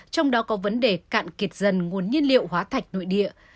trong đó có vấn đề cạn kiệt dần nguồn nhiên liệu hóa thạch nội địa